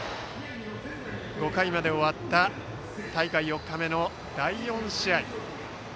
５回まで終わった大会４日目の第４試合。